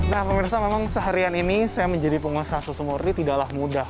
nah pemirsa memang seharian ini saya menjadi pengusaha susu murni tidaklah mudah